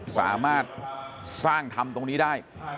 สามารถสร้างธรรมตรงนี้ได้